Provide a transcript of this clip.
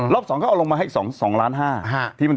รอบ๒ก็เอาลงมาให้อีก๒ล้าน๕